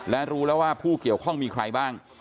และรู้แล้วว่าผู้เกี่ยวข้องมีใครบ้าง